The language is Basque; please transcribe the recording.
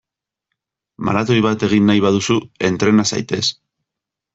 Maratoi bat egin nahi baduzu, entrena zaitez!